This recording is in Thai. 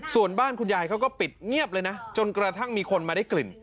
ส่วนบ้านคุณยายเขาก็ปิดเงียบเลยนะจนกระทั่งมีคนมาได้กลิ่น